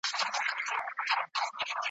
په هغه ګړي له لاري را ګوښه سول `